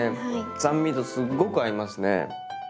酸味とすっごく合いますね！